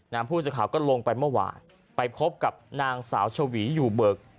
น้ำผู้ชาวก็ลงไปเมื่อวานไปครบกับนางสาวเฉวีอยู่เบิก